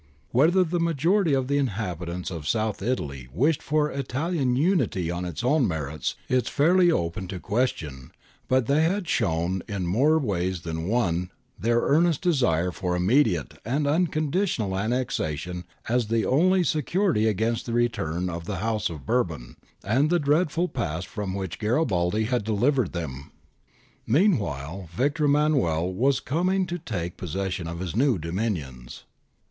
Whether the majority of the inhabitants of South Italy wished for Italian unity on its own merits is fairly open to question, but they had shown in more ways than one their earnest desire for immediate and unconditional annexation as the only security against the return of the House of Bourbon and the dreadful past from which Garibaldi had delivered them. Meanwhile, Victor Emmanuel was coming to take possession of his new dominions.